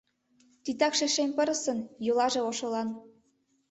Титакше шем пырысын, йолаже — ошылан.